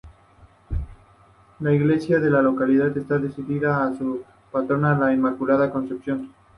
La iglesia de la localidad está dedicada a su patrona, la Inmaculada Concepción.